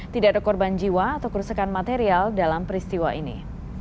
tidak ada korban jiwa atau kerusakan material dalam peristiwa ini